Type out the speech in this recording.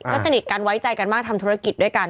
ก็สนิทกันไว้ใจกันมากทำธุรกิจด้วยกัน